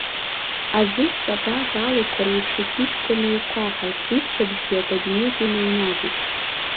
Аӡы зҵабаз алуқәа реиԥш, иқьышәқәа неиқәаҳаит, иччабжьгьы акабинет иныҩнаӡит.